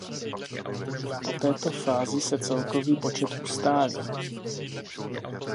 Po této fázi se celkový počet ustálí.